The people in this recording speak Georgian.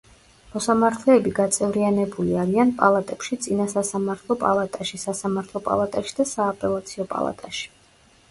მოსამართლეები გაწევრიანებული არიან პალატებში წინასასამართლო პალატაში, სასამართლო პალატაში და სააპელაციო პალატაში.